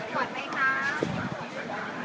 สวัสดีครับ